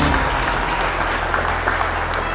สวัสดีครับ